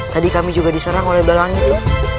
tadi kami juga diserang oleh balang itu